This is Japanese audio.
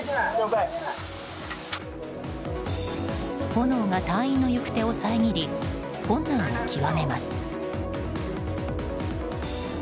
炎が隊員の行く手を遮り困難を極めます。